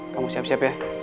kamu siap siap ya